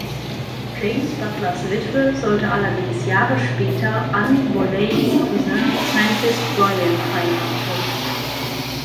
James Butlers Witwe sollte allerdings Jahre später Anne Boleyns Cousin Francis Bryan heiraten.